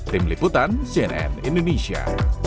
tim liputan cnn indonesia